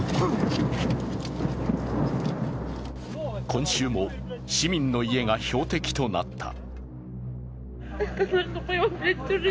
今週も市民の家が標的となった。